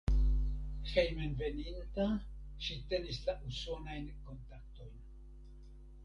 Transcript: Hejmenveninta ŝi tenis la usonajn kontaktojn.